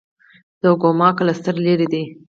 د کوما کلسټر لیرې دی.